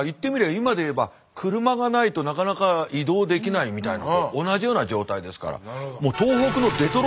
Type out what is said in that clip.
今で言えば車がないとなかなか移動できないみたいなことと同じような状態ですから。